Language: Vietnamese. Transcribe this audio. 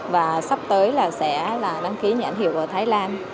và sắp tới sẽ đăng ký nhãn hiệu ở thái lan